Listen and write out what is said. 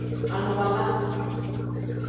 Aluwala.